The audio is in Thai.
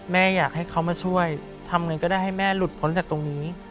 อยากให้เขามาช่วยทำเงินก็ได้ให้แม่หลุดพ้นจากตรงนี้